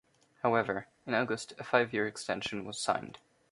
However, in August a five-year extension was signed.